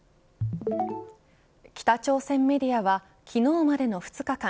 北朝鮮メディアは昨日までの２日間